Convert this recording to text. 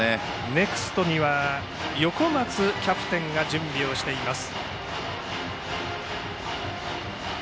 ネクストには横松キャプテンが準備をしています。